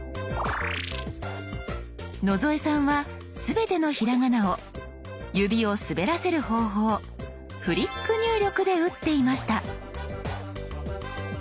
野添さんは全てのひらがなを指を滑らせる方法フリック入力で打っていました。